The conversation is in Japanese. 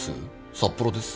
札幌です。